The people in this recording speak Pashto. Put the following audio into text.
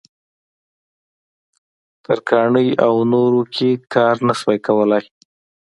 ترکاڼۍ او نورو کې کار نه شوای کولای.